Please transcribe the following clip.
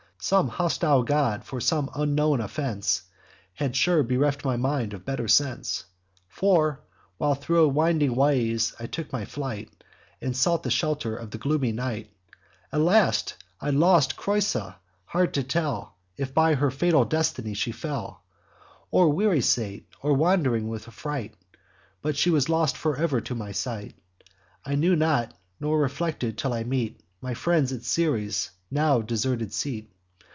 Some hostile god, for some unknown offence, Had sure bereft my mind of better sense; For, while thro' winding ways I took my flight, And sought the shelter of the gloomy night, Alas! I lost Creusa: hard to tell If by her fatal destiny she fell, Or weary sate, or wander'd with affright; But she was lost for ever to my sight. I knew not, or reflected, till I meet My friends, at Ceres' now deserted seat.